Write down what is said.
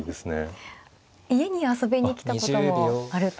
家に遊びに来たこともあると。